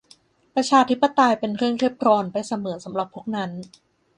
ประชาธิปไตยเป็นเรื่องรีบร้อนไปเสมอสำหรับพวกนั้น